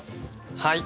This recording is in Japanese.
はい。